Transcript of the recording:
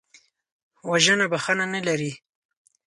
وژنه بښنه نه لري